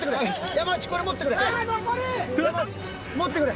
山内持ってくれ。